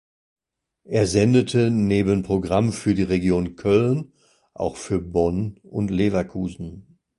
Er sendete neben Programm für die Region Köln auch für Bonn und Leverkusen.